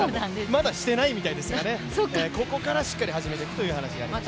まだしてないみたいですがここからしっかり始めていくということでした。